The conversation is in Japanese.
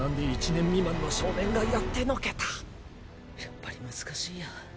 これをやっぱり難しいや。